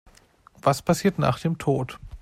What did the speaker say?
Was passiert nach dem Tod?